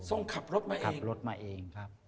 ส่งขับรถมาเองขับรถมาเองครับ